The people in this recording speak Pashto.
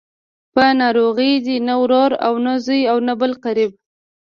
په ناروغۍ دې نه ورور او نه زوی او نه بل قريب.